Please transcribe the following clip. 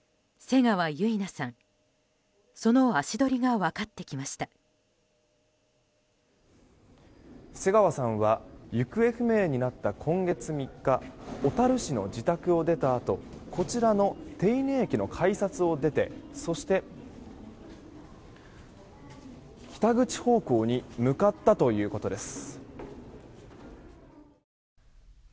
瀬川さんは行方不明になった今月３日小樽市の自宅を出たあとこちらの手稲駅の改札を出てそして、北口方向に向かったということです。